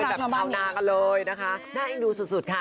เป็นแบบชาวนากันเลยนะคะได้ดูสุดค่ะ